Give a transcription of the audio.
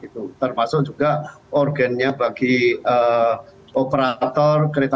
termasuk juga urgentnya bagi operator kereta